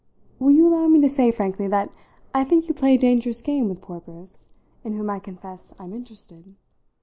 Will you allow me to say frankly that I think you play a dangerous game with poor Briss, in whom I confess I'm interested?